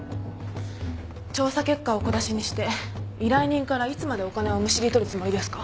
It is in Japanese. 調査結果を小出しにして依頼人からいつまでお金をむしり取るつもりですか？